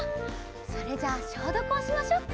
それじゃあしょうどくをしましょっか。